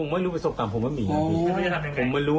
ไม่รู้จะทำอย่างไร